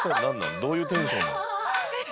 どういうテンション。